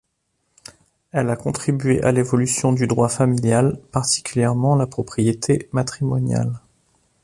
Elle a contribué à l'évolution du droit familial, particulièrement la propriété matrimoniale.